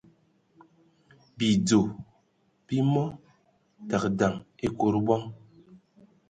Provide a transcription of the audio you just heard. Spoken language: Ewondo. Bidzɔ bi mɔ tə daŋ ekud bɔŋ.